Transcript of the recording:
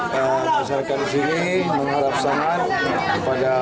kita mencarikan sini mengharapkan sangat kepada